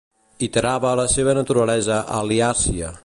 Iterava la seva naturalesa al·liàcia.